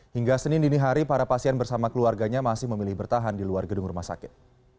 hingga senin dini hari para pasien bersama keluarganya masih memilih bertahan di luar gedung rumah sakit